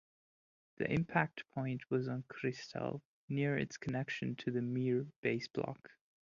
The impact point was on Kristall, near its connection to the Mir base block.